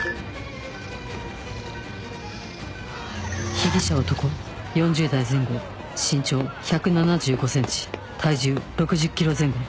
被疑者男４０代前後身長 １７５ｃｍ 体重 ６０ｋｇ 前後